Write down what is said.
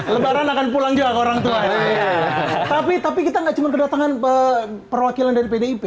lebaran akan pulang juga ke orang tua tapi tapi kita enggak cuma kedatangan perwakilan dari pdip